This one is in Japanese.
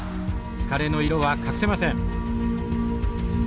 疲れの色は隠せません。